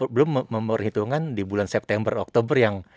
belum memperhitungkan di bulan september oktober yang